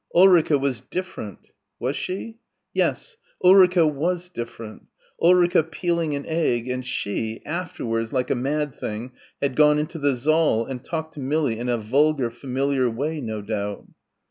Ulrica was different. Was she? Yes, Ulrica was different ... Ulrica peeling an egg and she, afterwards like a mad thing had gone into the saal and talked to Millie in a vulgar, familiar way, no doubt.